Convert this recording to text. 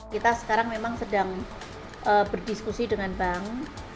kita sekarang memang sedang berdiskusi dengan bank